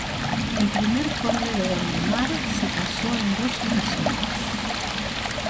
El I Conde de Gondomar se casó en dos ocasiones.